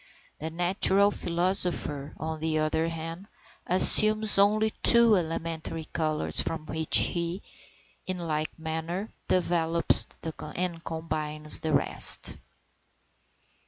The natural philosopher, on the other hand, assumes only two elementary colours, from which he, in like manner, developes and combines the rest.